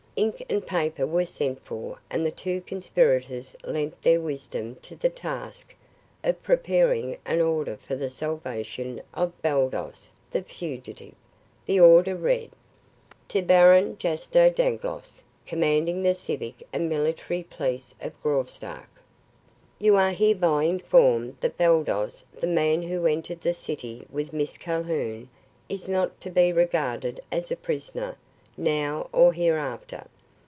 Ink and paper were sent for and the two conspirators lent their wisdom to the task of preparing an order for the salvation of Baldos, the fugitive. The order read: To BARON JASTO DANGLOSS, COMMANDING THE CIVIC AND MILITARY POLICE OF GRAUSTARK: "You are hereby informed that Baldos, the man who entered the city with Miss Calhoun, is not to be regarded as a prisoner now or hereafter.